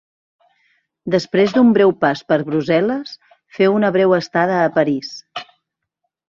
Després d'un breu pas per Brussel·les, feu una breu estada a París.